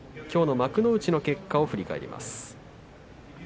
きょうの幕内の結果を振り返ります。